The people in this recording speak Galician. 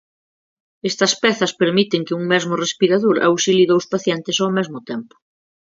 Estas pezas permiten que un mesmo respirador auxilie dous pacientes ao mesmo tempo.